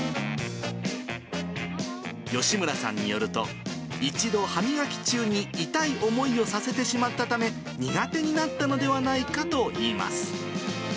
吉村さんによると、一度歯磨き中に痛い思いをさせてしまったため、苦手になったのではないかといいます。